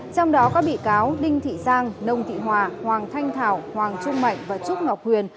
trong đó các bị cáo đinh thị giang nông thị hòa hoàng thanh thảo hoàng trung mạnh và trúc ngọc huyền